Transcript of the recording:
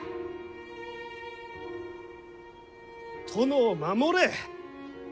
殿を守れ。